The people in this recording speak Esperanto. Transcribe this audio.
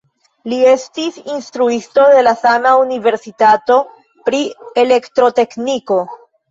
Li estis instruisto de la sama universitato pri elektrotekniko.